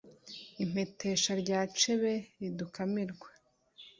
Impetesha rya cebe ridukamirwa.